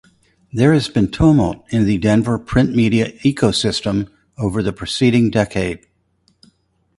There has been tumult in the Denver print media ecosystem over the preceding decade.